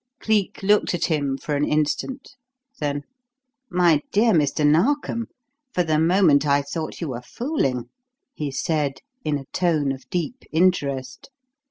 Cleek looked at him for an instant. Then: "My dear Mr. Narkom, for the moment I thought you were fooling," he said in a tone of deep interest.